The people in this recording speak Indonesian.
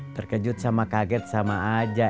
terkejut sama kaget sama aja